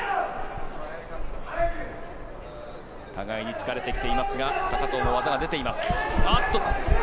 互いに疲れてきていますが高藤も技が出てきています。